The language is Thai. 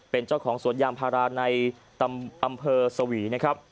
เป็นเจ้าของสวนยางพาราในอำเภอสวีนะครับ